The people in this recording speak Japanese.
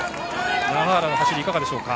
永原の走りはいかがでしょうか？